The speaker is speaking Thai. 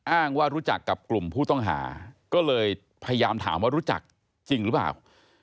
อ้างว่ารู้จักกับกลุ่มผู้ต้องหาก็เลยพยายามถามว่ารู้จักจริงหรือเปล่า